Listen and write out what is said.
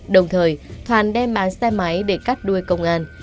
đồng thời thoản đem bán xe máy để cắt đuôi công an